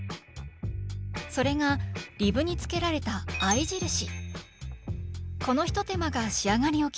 それがリブにつけられた合い印。